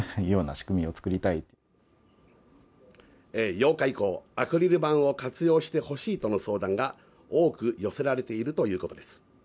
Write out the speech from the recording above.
８日以降、アクリル板を活用してほしいとの相談が多く寄せられているということです。